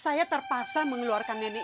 saya terpaksa mengeluarkan nenek ida ini